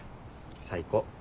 最高。